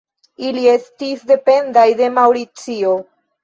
Ili estis dependaj de Maŭricio.